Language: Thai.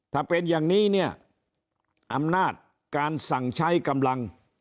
ถ้าเป็นอย่างนี้เนี่ยอำนาจการสั่งใช้กำลัง